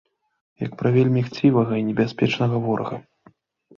Як пра вельмі хцівага і небяспечнага ворага.